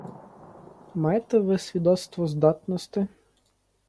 А маєте ви свідоцтво здатности?